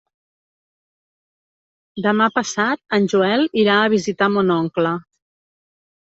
Demà passat en Joel irà a visitar mon oncle.